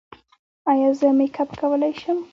ایا زه میک اپ کولی شم؟